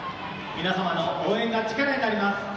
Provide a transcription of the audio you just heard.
皆様の応援が力になります。